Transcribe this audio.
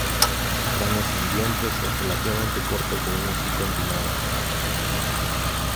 Su cráneo sin dientes es relativamente corto con un hocico empinado.